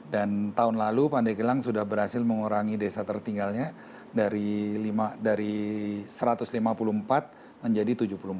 dan tahun lalu pandegelang sudah berhasil mengurangi desa tertinggalnya dari satu ratus lima puluh empat menjadi tujuh puluh empat